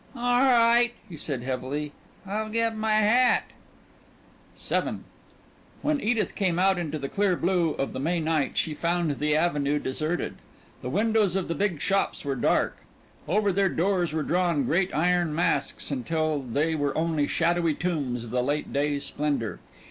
"All right," he said heavily. "I'll get my hat." VIII When Edith came out into the clear blue of the May night she found the Avenue deserted. The windows of the big shops were dark; over their doors were drawn great iron masks until they were only shadowy tombs of the late day's splendor.